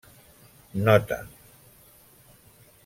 Nota: